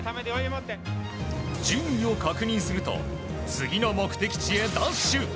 順位を確認すると次の目的地へダッシュ。